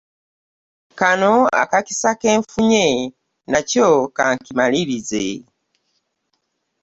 Kano akakisa ke nkafunye nakyo ka nkimalirize.